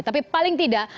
tapi paling tidak